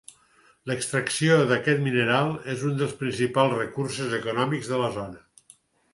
L'extracció d'aquest mineral és un dels principals recursos econòmics de la zona.